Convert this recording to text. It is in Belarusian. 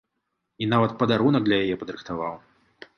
І нават падарунак для яе падрыхтаваў!